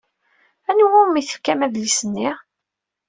Anwa umi tefkam adlis-nni?